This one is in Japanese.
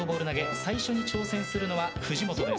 最初に挑戦するのは藤本です。